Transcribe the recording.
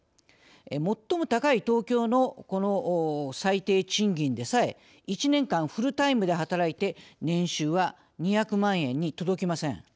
最も高い東京のこの最低賃金でさえ１年間フルタイムで働いて年収は２００万円に届きません。